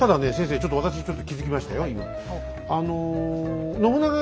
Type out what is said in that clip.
ちょっと私ちょっと気付きましたよ